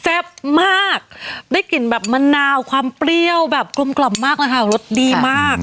แซ่บมากได้กลิ่นแบบมะนาวหรือแบบความเปรี้ยวแบบกลมกร่ำมากแล้วค่ะรสดีมาก